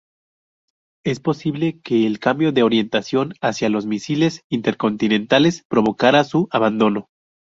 Es posible que el cambio de orientación hacia los misiles intercontinentales provocara su abandono.